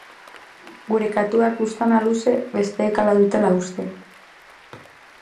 Gure katuak buztana luze, besteek hala dutela uste.